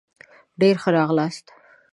ډېر ښه راغلاست